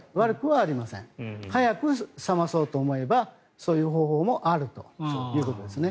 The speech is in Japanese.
早く冷まそうと思えばそういう方法もあるということですね。